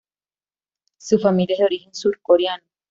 Su familia es de origen surcoreano.